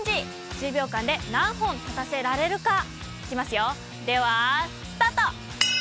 １０秒間で何本立たせられるか、いきますよ、では、スタート。